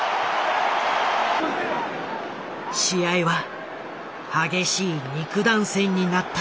試合は激しい肉弾戦になった。